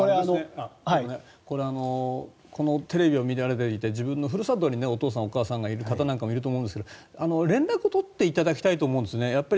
これこのテレビを見られていて自分のふるさとにお父さん、お母さんがいる方なんかもいると思うんですが連絡を取っていただきたいと思うんですね。